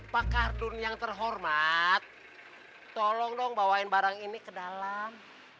pak kardun yang terhormat tolong dong bawain barang ini ke dalam